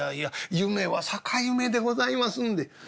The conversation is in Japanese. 「夢は逆夢でございますんで」。